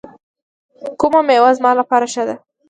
کومه میوه زما لپاره ښه ده؟